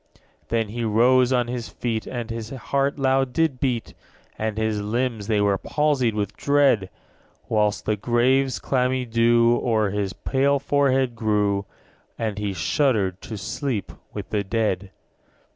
10. Then he rose on his feet, And his heart loud did beat, And his limbs they were palsied with dread; _55 Whilst the grave's clammy dew O'er his pale forehead grew; And he shuddered to sleep with the dead.